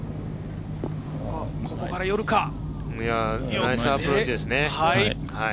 ナイスアプローチですね。